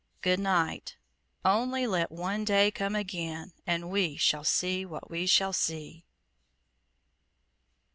Good night; only let one day come again, and we shall see what we shall see.